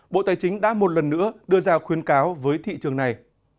bộ tài chính đã một lần nữa đưa ra khuyến cáo với thị trường này